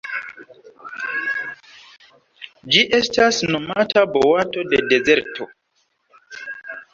Ĝi estas nomata boato de dezerto.